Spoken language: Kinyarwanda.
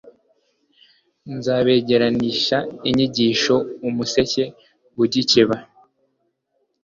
nzabengeranisha inyigisho umuseke ugikeba